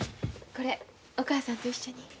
これお母さんと一緒に。